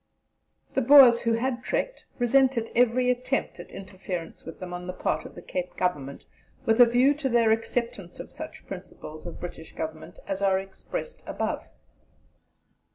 " The Boers who had trekked resented every attempt at interference with them on the part of the Cape Government with a view to their acceptance of such principles of British Government as are expressed above.